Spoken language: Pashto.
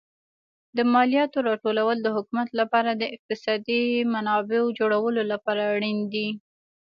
د مالیاتو راټولول د حکومت لپاره د اقتصادي منابعو جوړولو لپاره اړین دي.